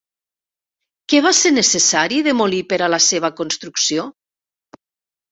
Què va ser necessari demolir per a la seva construcció?